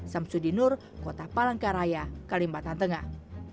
samsudi nur kota palangkaraya kalimantan tengah